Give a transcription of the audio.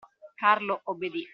Carlo obbedì